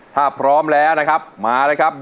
ถ้าพร้อมแล้วนะครับมาเลยครับ